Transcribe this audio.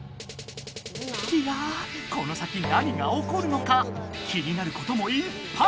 いやこの先何がおこるのか気になることもいっぱい！